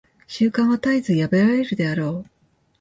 習慣は絶えず破られるであろう。